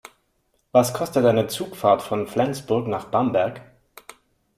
Was kostet eine Zugfahrt von Flensburg nach Bamberg?